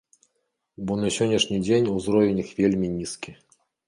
Бо на сённяшні дзень узровень іх вельмі нізкі.